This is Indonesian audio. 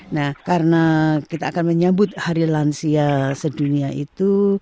nah karena kita akan menyambut hari lansia sedunia itu